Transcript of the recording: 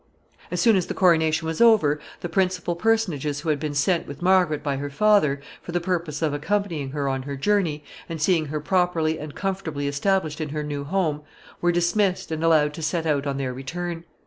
] As soon as the coronation was over, the principal personages who had been sent with Margaret by her father, for the purpose of accompanying her on her journey, and seeing her properly and comfortably established in her new home, were dismissed and allowed to set out on their return.